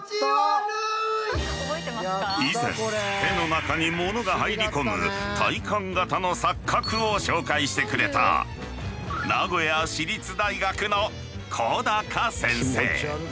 以前手の中に物が入り込む体感型の錯覚を紹介してくれた名古屋市立大学の小鷹先生。